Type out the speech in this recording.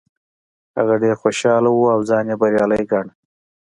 هغه ډیر خوشحاله و او ځان یې بریالی ګاڼه.